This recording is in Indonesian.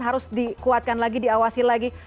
harus dikuatkan lagi diawasi lagi